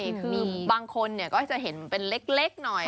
คือบางคนก็จะเห็นเป็นเล็กหน่อย